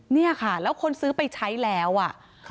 เนี่ยค่ะแล้วคนซื้อไปใช้แล้วอ่ะ